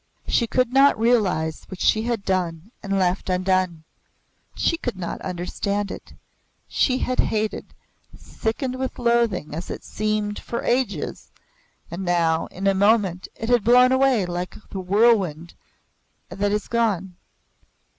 She could not realize what she had done and left undone. She could not understand it. She had hated, sickened with loathing, as it seemed for ages, and now, in a moment it had blown away like a whirlwind that is gone.